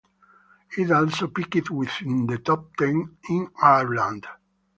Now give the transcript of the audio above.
It also peaked within the top ten in Ireland.